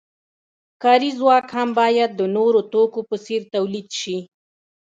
کاري ځواک هم باید د نورو توکو په څیر تولید شي.